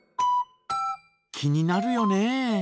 気になるよね。